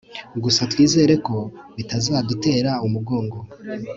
gusa twizere ko bitazadutera umugongo